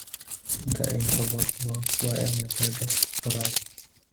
The Infobot works by a method of factoids.